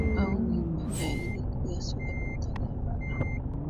awamu ya kwanza ya ligi kuu ya soka tanzania bara